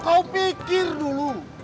kau pikir dulu